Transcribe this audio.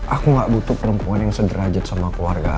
aku gak butuh perempuan yang sederajat sama keluarga